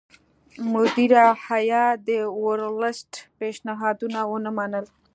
مدیره هیات د ورلسټ پېشنهادونه ونه منل.